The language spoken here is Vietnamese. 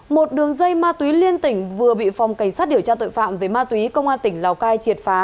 một đường dây ma túy liên tỉnh vừa bị phòng cảnh sát điều tra tội phạm về ma túy công an tỉnh lào cai triệt phá